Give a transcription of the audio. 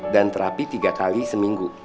dan terapi tiga kali seminggu